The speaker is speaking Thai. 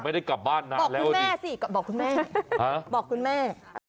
ไม่ได้กลับบ้านนะบอกแล้วคุณแม่สิบอกคุณแม่บอกคุณแม่